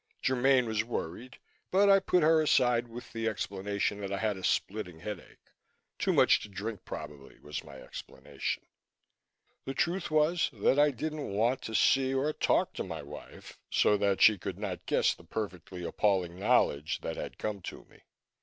Germaine was worried but I put her aside with the explanation that I had a splitting headache too much to drink, probably, was my explanation. The truth was that I didn't want to see or talk to my wife so that she could not guess the perfectly appalling knowledge that had come to me.